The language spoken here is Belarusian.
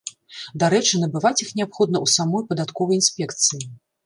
Дарэчы, набываць іх неабходна ў самой падатковай інспекцыі.